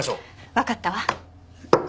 わかったわ。